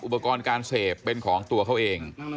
อุปกรณ์การเสพเป็นของตัวเขาเอง